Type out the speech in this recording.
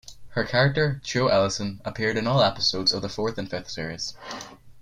Her character, Jo Ellison, appeared in all episodes of the fourth and fifth series.